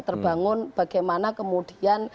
terbangun bagaimana kemudian